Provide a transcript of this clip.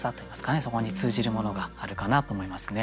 そこに通じるものがあるかなと思いますね。